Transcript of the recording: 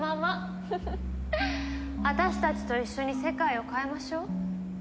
私たちと一緒に世界を変えましょう。